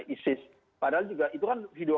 isis padahal juga itu kan video